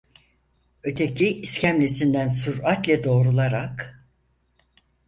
Öteki, iskemlesinden süratle doğrularak: